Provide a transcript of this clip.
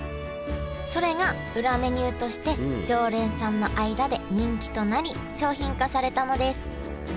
それが裏メニューとして常連さんの間で人気となり商品化されたのですへえ